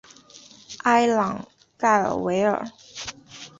埃朗盖尔维尔。